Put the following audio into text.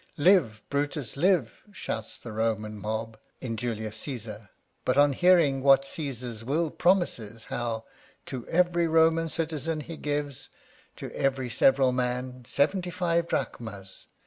" Live, Brutus, live !*' shouts the Roman mob in 41 Curiosities of Olden Times Julius Ccesar ; but on hearing what Caesar's will promises, how To every Roman citizen he gives, — To every several man, — seventy five drachmas.